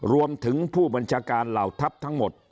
รวมถึงผู้บัญชาการเหล่าทัพทั้งหมด